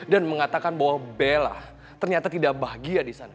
dan mengatakan bahwa bella ternyata tidak bahagia disana